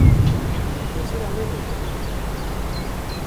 ji kesî re nebêje.